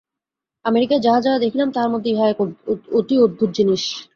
আমেরিকায় যাহা যাহা দেখিলাম, তাহার মধ্যে ইহা এক অতি অদ্ভুত জিনিষ।